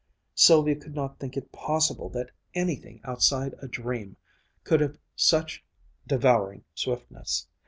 Sylvia could not think it possible that anything outside a dream could have such devouring swiftness.